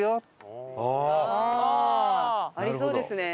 ありそうですね。